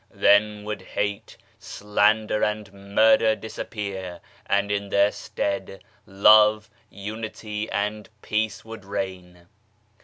Then would hate, slander and murder disappear, and in their stead Love, Unity and Peace would reign.